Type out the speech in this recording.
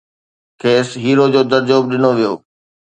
کيس هيرو جو درجو به ڏنو ويو